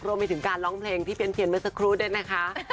รวมไปถึงการร้องเพลงที่เพี้ยนเมื่อสักครู่ด้วยนะคะ